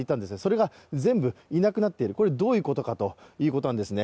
それが全部いなくなっている、これはどういうことかということなんですね。